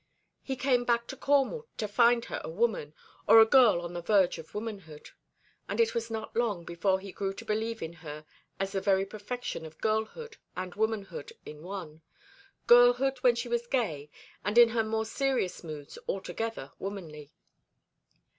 He came back to Cornwall to find her a woman, or a girl on the verge of womanhood; and it was not long before he grew to believe in her as the very perfection of girlhood and womanhood in one girlhood when she was gay, and in her more serious moods altogether womanly.